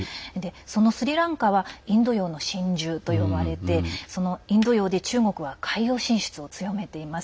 そのスリランカはインド洋の真珠と呼ばれてインド洋で中国は海洋進出を強めています。